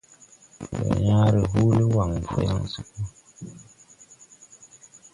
Ndo yãã re huuli waŋ po yaŋ se bo.